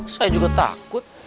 saya juga takut